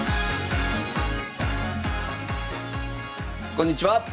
こんにちは。